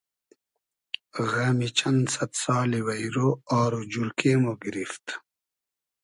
غئمی چئن سئد سالی وݷرۉ آر و جورکې مۉ گیریفت